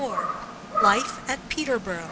LIFE AT PETERBORO.